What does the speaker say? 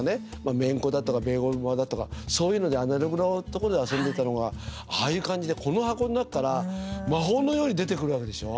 メンコだとかベーゴマだとかそういうのでアナログのところで遊んでたのがああいう感じで、この箱の中から魔法のように出てくるわけでしょ。